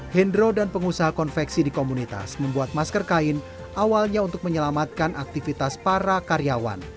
hendro dan pengusaha konveksi di komunitas membuat masker kain awalnya untuk menyelamatkan aktivitas para karyawan